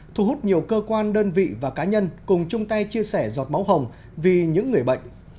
thu hút nhiều cơ quan đơn vị và cá nhân cùng chung tay chia sẻ giọt máu hồng vì những người bệnh